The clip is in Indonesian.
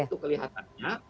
dan itu kelihatannya